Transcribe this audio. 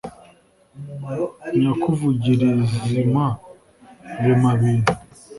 nyakuvugir'izima rurema bintu